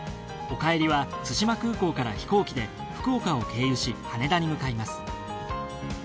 お帰りは対馬空港から飛行機で福岡を経由し羽田に向かいます。